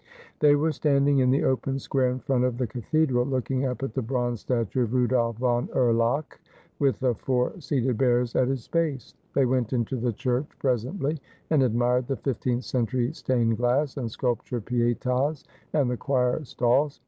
They were standing in the open square in front of the cathedral, looking up at the bronze statue of Rudolph von Erlach, with the four seated bears at its base. They went into the church presently, and admired the fifteenth century stained glass, and sculptured Pietas, and the choir stalls.